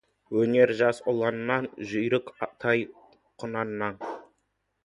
Өнер жас ұланнан, жүйрік тай-құнаннан.